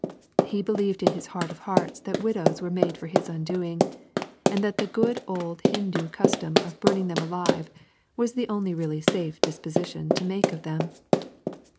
He believed in his heart of hearts that widows were made for his undoing, and that the good old Hindoo custom of burning them up alive was the only really safe disposition to make of them.